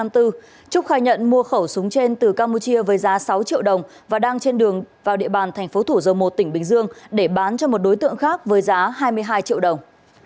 trúc khai nhận mua khẩu súng trên từ campuchia với giá sáu triệu đồng và đang trên đường vào địa bàn thành phố thủ dầu một tỉnh bình dương để bán cho một đối tượng khác với giá hai mươi hai triệu đồng